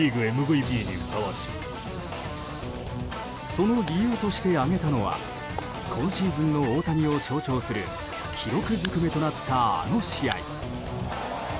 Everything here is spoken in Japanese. その理由として挙げたのは今シーズンの大谷を象徴する記録ずくめとなったあの試合。